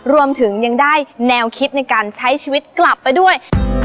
รวมถึงยังได้แนวคิดในการใช้ชีวิตกลับไปด้วย